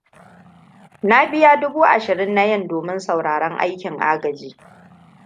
Na biya dubu ashirin na yen domin sauraren aikin agaji.